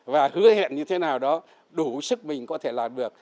và hứa hẹn như thế nào đó đủ sức mình có thể làm được